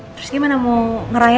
terus gimana mau ngerayain gak